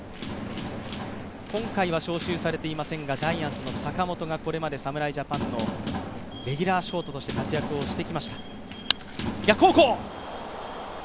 今回は招集されていませんがジャイアンツの坂本がこれまで侍ジャパンのレギュラーショートとして活躍をしてきました。